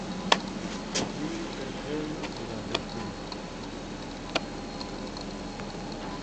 Mí í kɛ khɛ̄ɛ̄ mɛɓuta ɓɛ̌ pyemb.